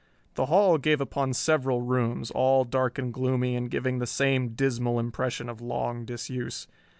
The hall gave upon several rooms, all dark and gloomy and giving the same dismal impression of long disuse.